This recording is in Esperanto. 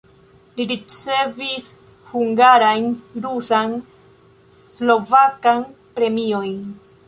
Li ricevis hungarajn rusan, slovakan premiojn.